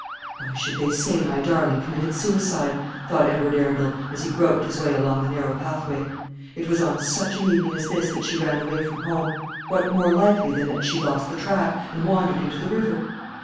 "Why should they say my darling committed suicide?" thought Edward Arundel, as he groped his way along the narrow pathway. "It was on such an evening as this that she ran away from home. What more likely than that she lost the track, and wandered into the river?